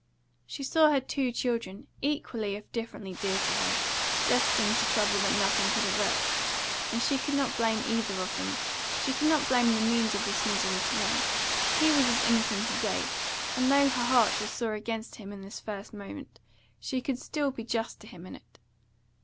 She saw her two children, equally if differently dear to her, destined to trouble that nothing could avert, and she could not blame either of them; she could not blame the means of this misery to them; he was as innocent as they, and though her heart was sore against him in this first moment, she could still be just to him in it.